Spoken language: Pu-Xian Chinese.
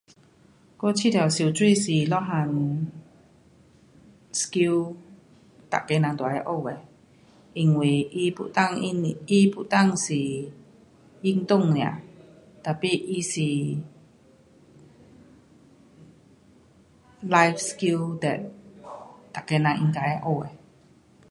我觉得游泳是一样 skill 每个人都要学的，因为它不但它不但是运动 nia tapi 它是 live skill that 每个人都应该要学的。